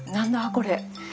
これ。